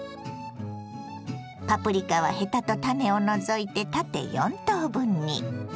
パプリカはヘタと種を除いて縦４等分に。